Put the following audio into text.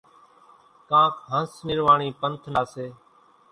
ڪانڪ هنس نِرواڻِي پنٿ نا سي۔